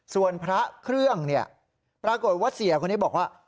ส่วนพระเครื่องเนี่ยปรากฏว่าเสียคนนี้บอกว่า